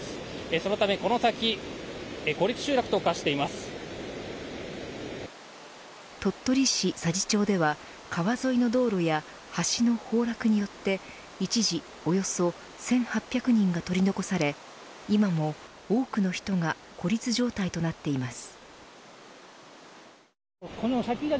そのため、この先鳥取市佐治町では川沿いの道路や橋の崩落によって一時およそ１８００人が取り残され今も、多くの人が孤立状態となっています。